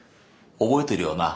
覚えてるよな？